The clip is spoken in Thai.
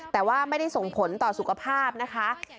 แต่ว่าไม่ได้ส่งผลต่อสุขภาพนะคะ